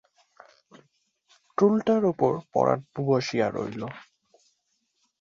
টুলটার উপর পরান বসিয়া রহিল।